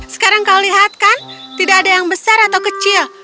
sekarang kau lihat kan tidak ada yang besar atau kecil